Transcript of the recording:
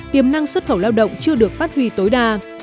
tiềm năng xuất khẩu lao động chưa được phát huy tối đa